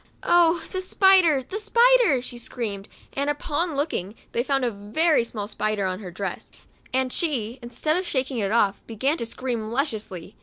" Oh the spider, the spi der !" she screamed, and upon looking, they found a very small spider on her dress, and she, instead of shaking it off, began to scream lustily.